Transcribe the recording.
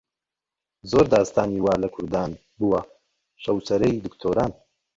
زۆر داستانی وا لە کوردان ببووە شەوچەرەی دکتۆران